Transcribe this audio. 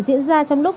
diễn ra trong lúc